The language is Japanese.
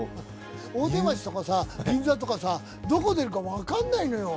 大手町とか銀座とか、どこに出るか分からないのよ。